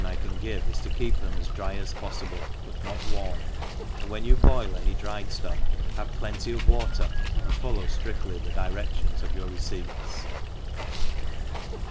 I can give, is to keep them as dry as poffible, but not warn>, and when you boil any dried fluff have plenty of water, and follow ilridly the diredions of your receipts.